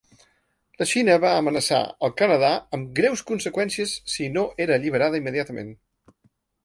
La Xina va amenaçar el Canadà amb ‘greus conseqüències’ si no era alliberada immediatament.